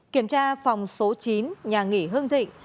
kiểm tra phòng số chín nhà nghỉ hưng thịnh